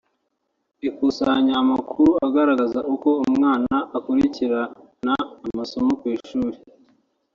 Ikusanya amakuru agaragaza uko umwana akurikirirana amasomo ku ishuri